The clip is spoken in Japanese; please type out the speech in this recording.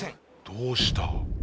どうした？